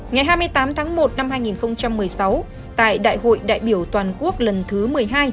ngày hai mươi tám tháng một năm hai nghìn một mươi sáu tại đại hội đại biểu toàn quốc lần thứ một mươi hai